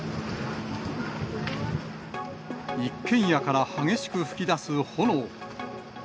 一軒家から激しく噴き出す炎。